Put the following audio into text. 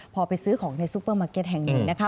พอไปซื้อของในซูเปอร์มาร์เก็ตแห่งนี้นะคะ